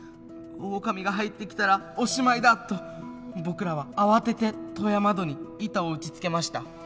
オオカミが入ってきたらおしまいだと僕らは慌てて戸や窓に板を打ちつけました。